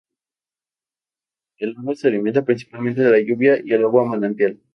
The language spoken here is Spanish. El lago se alimenta principalmente de la lluvia y el agua de manantial.